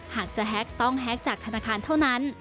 หากจะแฮ็กต้องแฮ็กจากธนาคารเท่านั้น